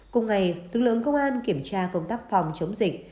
cùng ngày lực lượng công an kiểm tra công tác phòng chống dịch